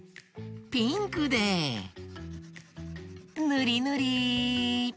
ピンクでぬりぬり。